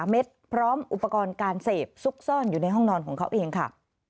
เม็ดพร้อมอุปกรณ์การเสพซุกซ่อนอยู่ในห้องนอนของเขาเองค่ะ